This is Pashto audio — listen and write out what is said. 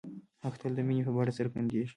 حق تل د مینې په بڼه څرګندېږي.